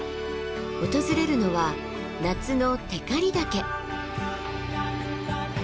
訪れるのは夏の光岳。